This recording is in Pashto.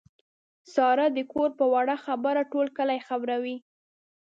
ساره د کور په وړه خبره ټول کلی خبروي.